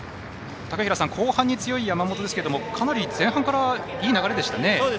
後半に強い山本ですけどかなり前半からいい流れでしたね。